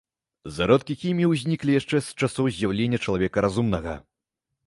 Зародкі хіміі ўзніклі яшчэ з часоў з'яўлення чалавека разумнага.